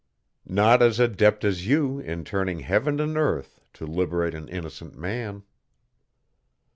"Not as adept as you in turning heaven and earth to liberate an innocent man."